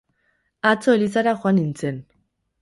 atzo elizara joan nintzen